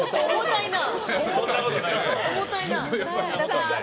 そんなことないですよ。